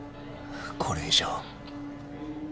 これ以上。